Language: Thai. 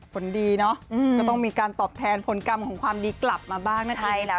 ผลดีเนาะก็ต้องมีการตอบแทนผลกรรมของความดีกลับมาบ้างนั่นเองนะ